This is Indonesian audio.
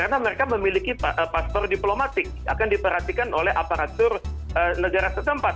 karena mereka memiliki paspor diplomatik akan diperhatikan oleh aparatur negara setempat